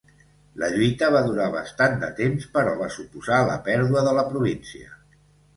La lluita va durar bastant de temps, però va suposar la pèrdua de la província.